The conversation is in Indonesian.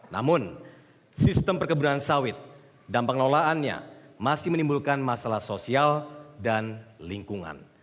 namun sistem perkebunan sawit dan pengelolaannya masih menimbulkan masalah sosial dan lingkungan